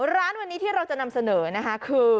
ร้านวันนี้ที่เราจะนำเสนอนะคะคือ